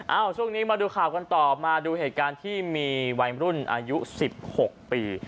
ช่วงนี้มาดูข่าวกันต่อมาดูเหตุการณ์ที่มีวัยรุ่นอายุ๑๖ปี